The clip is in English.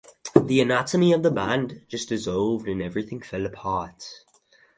The anatomy of the band just dissolved and everything fell apart.